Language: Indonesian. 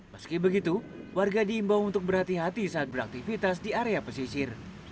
meski begitu warga diimbau untuk berhati hati saat beraktivitas di area pesisir